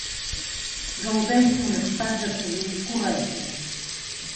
Gaudeix d'un estat de salut correcte.